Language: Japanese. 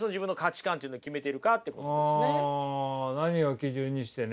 あ何を基準にしてね。